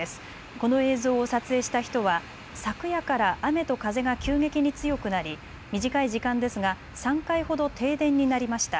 この映像を撮影した人は昨夜から雨と風が急激に強くなり短い時間ですが３回ほど停電になりました。